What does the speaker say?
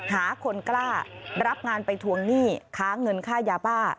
หาคนกล้ารับงานไปทวงหนี้ค้างเงินค่ายาบ้า